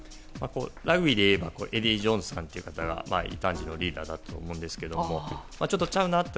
ラグビーでいえばエディー・ジョーンズなんて方が異端児のリーダーだったと思うんですがちょっとちゃうなって